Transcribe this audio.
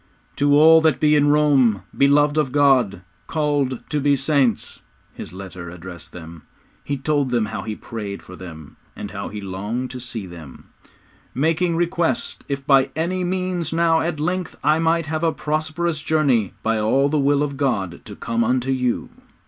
'To all that be in Rome, beloved of God, called to be saints,' his letter was addressed. He told them how he prayed for them, and how he longed to see them '_Making request, if by any means now at length I might have a prosperous journey by the will of God to come unto you.